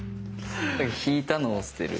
引いたのを捨てる。